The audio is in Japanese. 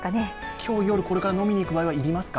今日夜、これから飲みに行く場合は傘要りますか？